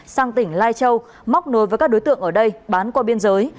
sang tỉnh lai châu móc nối với các đối tượng ở đây bán qua biên giới